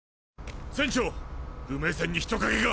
船長不明船に人影が！